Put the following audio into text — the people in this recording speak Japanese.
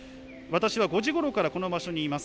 私は５時ごろからこの場所にいます。